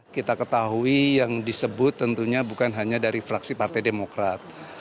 kita ketahui yang disebut tentunya bukan hanya dari fraksi partai demokrat